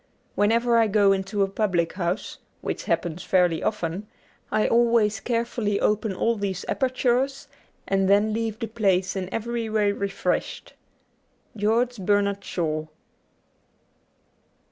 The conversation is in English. Whenever I go into a public house, which happens fairly often, I always carefully open all these apertures and then leave the place in every way refreshed. ' George Bernard Shaw.'